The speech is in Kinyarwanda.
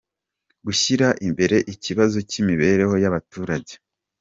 – Gushyira imbere ikibazo cy’imibereho y’abaturage